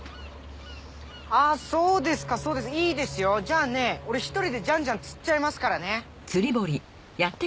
あぁそうですかそうですか。いいですよじゃあね俺１人でジャンジャン釣っちゃいますからね。